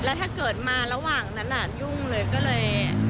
แล้วถ้าเกิดมาระหว่างนั้นยุ่งเลยก็เลย